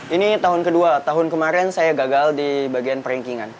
ini tahun kedua tahun kemarin saya gagal di bagian perinkingan